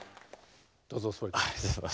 どうぞお座りください。